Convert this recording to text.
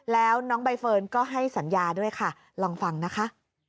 แล้วน้องใบเฟิร์นก็ให้สัญญาด้วยค่ะลองฟังนะคะ